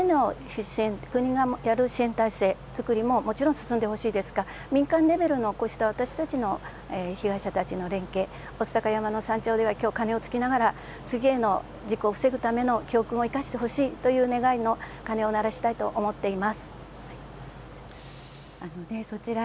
国がやる支援体制ももちろん進んでほしいですが、民間レベルのこうした私たちの、被害者たちの連携、御巣鷹山の山頂では、きょう、鐘をつきながら、次への事故を防ぐための教訓を生かしてほしいという願いの鐘を鳴そちら